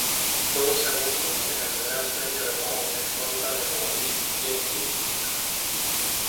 Fue segundo en el Gran Premio de Pau, escolta de Maurice Trintignant.